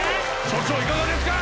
所長いかがですか？